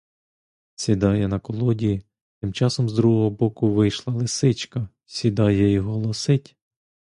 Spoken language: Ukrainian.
Сідає на колоді, тимчасом з другого боку вийшла лисичка, сідає й голосить.